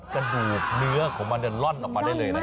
กระดูกเนื้อของมันจะร่อนออกมาได้เลย